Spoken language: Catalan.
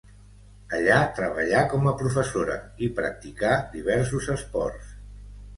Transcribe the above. Allà treballà com a professora i practicà diversos esports.